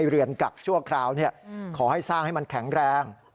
เรือนกักชั่วคราวขอให้สร้างให้มันแข็งแรง